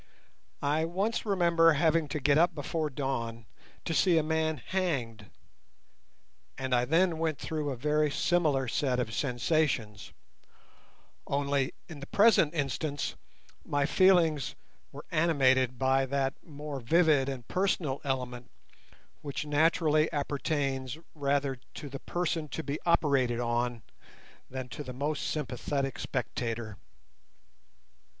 I once remember having to get up before dawn to see a man hanged, and I then went through a very similar set of sensations, only in the present instance my feelings were animated by that more vivid and personal element which naturally appertains rather to the person to be operated on than to the most sympathetic spectator.